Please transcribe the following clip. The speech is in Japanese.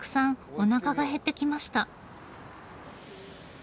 おなかが減ってきました。